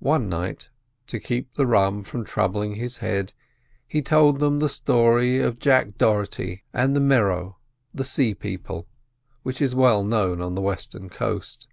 One night, to keep the rum from troubling his head, he told them the story of Jack Dogherty and the Merrow, which is well known on the western coast.